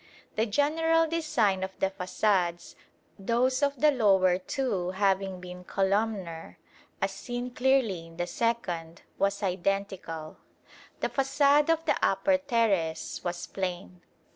The general design of the façades, those of the lower two having been columnar, as seen clearly in the second, was identical. The façade of the upper terrace was plain.